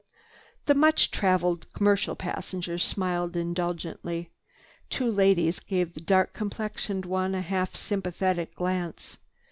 The much traveled commercial passengers smiled indulgently, two ladies gave the dark complexioned one a half sympathetic glance.